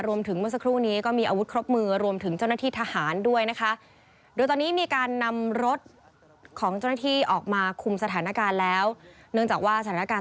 เมื่อสักครู่นี้ก็มีอาวุธครบมือรวมถึงเจ้าหน้าที่ทหารด้วยนะคะ